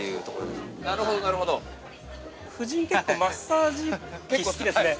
◆夫人、結構マッサージ、結構好きですね。